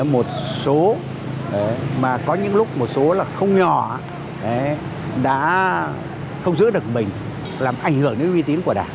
một số mà có những lúc một số là không nhỏ đã không giữ được mình làm ảnh hưởng đến uy tín của đảng